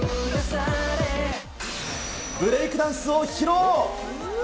ブレイクダンスを披露。